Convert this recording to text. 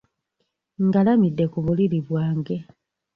Ngalamidde ku buliri bwange.